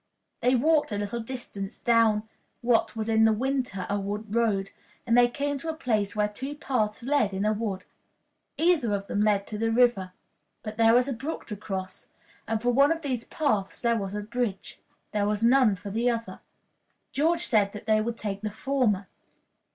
They walked a little distance down what was in the winter a wood road, and then came to a place where two paths led into a wood. Either of them led to the river. But there was a brook to cross, and for one of these paths there was a bridge. There was none for the other. George said that they would take the former.